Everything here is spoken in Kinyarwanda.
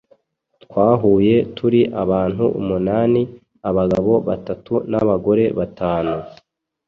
Twahuye turi abantu umunani. Abagabo batatu n’abagore batanu.